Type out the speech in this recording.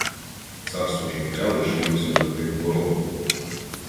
Царство життя лишилося за тим порогом.